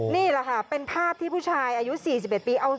นี่แหละค่ะเป็นภาพที่ผู้ชายอายุ๔๑ปีเอา